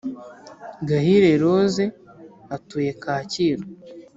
- gahire rose atuye kacyiru